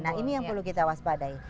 nah ini yang perlu kita waspadai